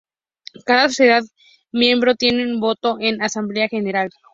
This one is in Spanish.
Cada sociedad miembro tiene un voto en la Asamblea General.